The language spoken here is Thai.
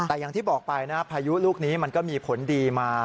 แต่อย่างที่บอกไปนะพายุลูกนี้มันก็มีผลดีมา